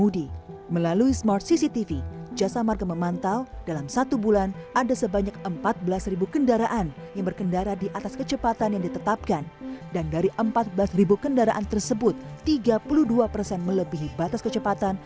dan dari empat belas kendaraan tersebut tiga puluh dua persen melebihi batas kecepatan